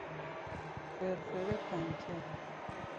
فرفر پنکه